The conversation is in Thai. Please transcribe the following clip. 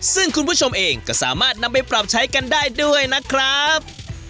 ซึ่งคุณผู้ชมเองก็สามารถนำไปปรับใช้กันได้ด้วยนะครับ